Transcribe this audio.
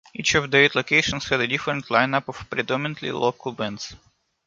Each of the eight locations had a different lineup of predominantly local bands.